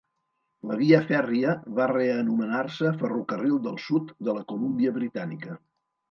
La via fèrria va reanomenar-se Ferrocarril del Sud de la Colúmbia Britànica.